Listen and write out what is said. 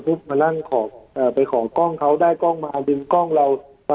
มานั่งขอเอ่อไปขอกล้องเขาได้กล้องมาดึงกล้องเรา